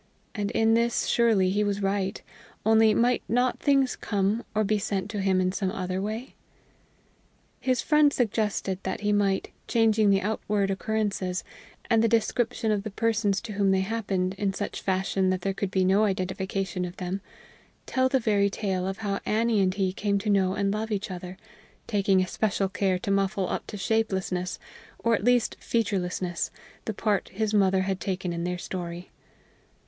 And in this surely he was right only might not things come, or be sent to him in some other way? His friend suggested that he might, changing the outward occurrences, and the description of the persons to whom they happened, in such fashion that there could be no identification of them, tell the very tale of how Annie and he came to know and love each other, taking especial care to muffle up to shapelessness, or at least featurelessness, the part his mother had taken in their story.